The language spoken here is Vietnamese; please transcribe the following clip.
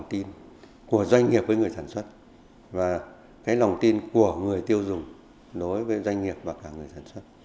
lòng tin của doanh nghiệp với người sản xuất và lòng tin của người tiêu dùng đối với doanh nghiệp và cả người sản xuất